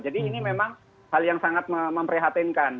jadi ini memang hal yang sangat memprihatinkan